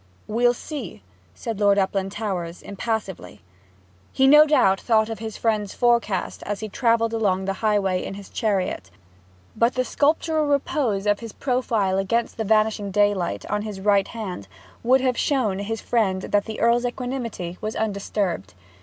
'We'll see,' said Lord Uplandtowers impassively. He no doubt thought of his friend's forecast as he travelled along the highway in his chariot; but the sculptural repose of his profile against the vanishing daylight on his right hand would have shown his friend that the Earl's equanimity was undisturbed.